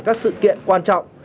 các sự kiện quan trọng